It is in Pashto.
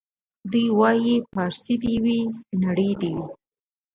دی وايي پارسۍ دي وي نرۍ دي وي